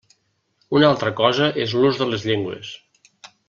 Una altra cosa és l'ús de les llengües.